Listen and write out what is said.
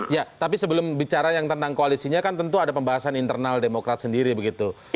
ya tapi sebelum bicara yang tentang koalisinya kan tentu ada pembahasan internal demokrat sendiri begitu